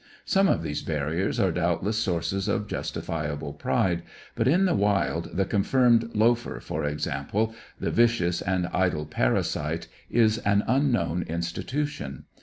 Some of these barriers are doubtless sources of justifiable pride, but in the wild the confirmed loafer, for example, the vicious and idle parasite, is an unknown institution.